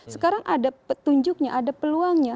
sekarang ada petunjuknya ada peluangnya